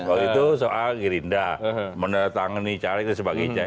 oh itu soal girinda menerat tangani calegi dan sebagainya